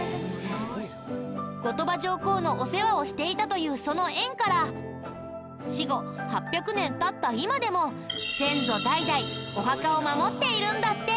後鳥羽上皇のお世話をしていたというその縁から死後８００年経った今でも先祖代々お墓を守っているんだって。